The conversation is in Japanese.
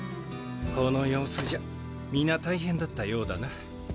この様子じゃ皆大変だったようだな。